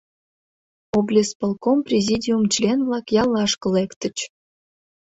Облисполком президиум член-влак яллашке лектыч.